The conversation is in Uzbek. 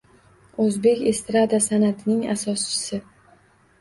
O‘zbek estrada san’atining asoschisi